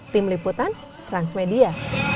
tim liputan transmedia